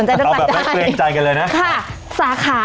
สวัสดีครับ